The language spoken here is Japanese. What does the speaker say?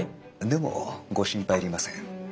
でもご心配いりません。